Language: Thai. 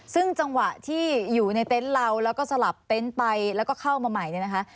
ซึ่งจังหวะที่อยู่ในเต็นต์เราแล้วก็สลับเต็นต์ไปแล้วก็เข้ามาใหม่เนี่ยนะคะ